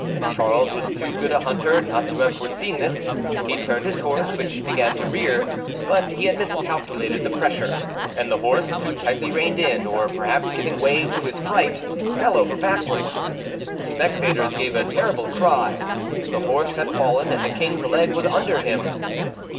Charles was too good a hunter not to have foreseen this. He turned his horse, which began to rear, but he had miscalculated the pressure, and the horse, too tightly reined in, or perhaps giving way to his fright, fell over backwards. The spectators gave a terrible cry: the horse had fallen, and the King's leg was under him.